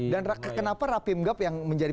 dan kenapa rapim gap yang menjadi